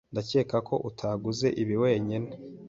Ndakeka ko utaguze ibi wenyine.